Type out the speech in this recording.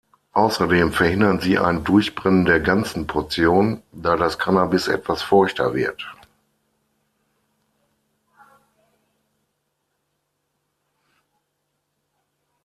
Außerdem verhindern sie ein Durchbrennen der ganzen Portion, da das Cannabis etwas feuchter wird.